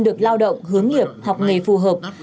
được lao động hướng nghiệp học nghề phù hợp